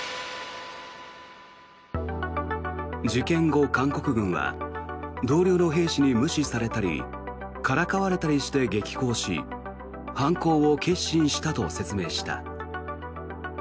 事件後、韓国軍は同僚の兵士に無視されたりからかわれたりして激高し犯行を決心したと説明した。